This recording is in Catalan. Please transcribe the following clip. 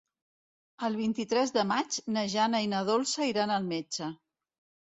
El vint-i-tres de maig na Jana i na Dolça iran al metge.